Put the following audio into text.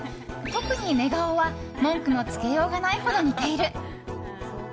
特に寝顔は文句のつけようがないほど似ている。